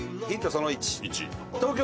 その１。